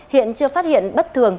hiện chưa phát hiện bất thường